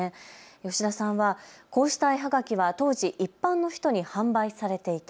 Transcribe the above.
吉田さんは、こうした絵はがきは当時、一般の人に販売されていた。